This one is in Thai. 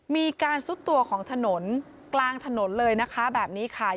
มีการซุดตัวของถนนกลางถนนเลยนะคะแบบนี้ค่ะ